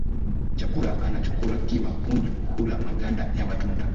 Chakula anachokula kima Punju hula maganda ya matunda